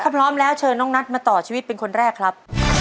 ถ้าพร้อมแล้วเชิญน้องนัทมาต่อชีวิตเป็นคนแรกครับ